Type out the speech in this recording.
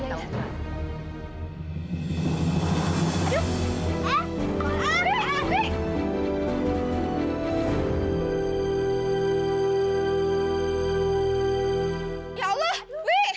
ya allah wi